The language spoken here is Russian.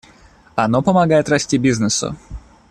Оно помогает расти бизнесу.